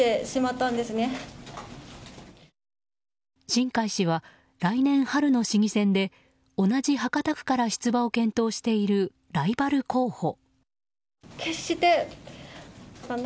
新開氏は、来年春の市議選で同じ博多区から出馬を検討している、ライバル候補。